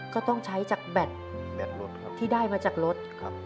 ก็ต้องใช้จากแบตที่ได้มาจากรถ